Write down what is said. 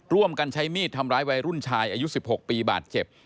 ร่วมกันใช้มีดทำร้ายวัยรุ่นชายอายุ๑๖ปีบาดเจ็บ